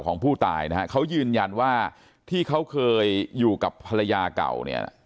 ของผู้ตายนะฮะเขายืนยันว่าที่เขาเคยอยู่กับภรรยาเก่าเนี่ย